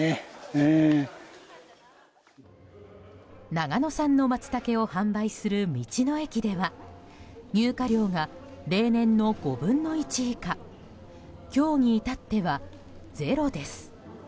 長野産のマツタケを販売する道の駅では入荷量が例年の５分の１以下今日に至ってはゼロです。